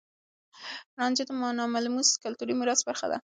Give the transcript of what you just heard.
رانجه د ناملموس کلتوري ميراث برخه ده.